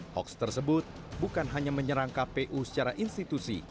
hoax tersebut bukan hanya menyerang kpu secara institusi